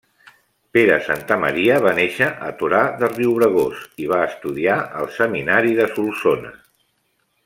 Pere Santamaria va néixer a Torà de Riubregós i va estudiar al Seminari de Solsona.